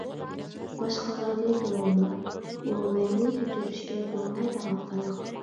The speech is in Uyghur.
باشقىلارنى دورىما، ئۇ مەڭگۈ كەچۈرۈشكە بولمايدىغان قىلىق.